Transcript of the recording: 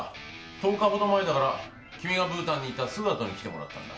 １０日ほど前だから君がブータンに行ったすぐあとに来てもらったんだ。